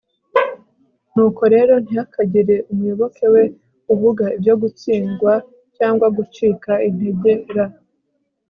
nuko rero, ntihakagire umuyoboke we uvuga ibyo gutsindwa cyangwa gucika integer